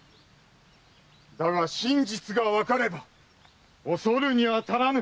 だが真実がわかれば恐るには足らぬ。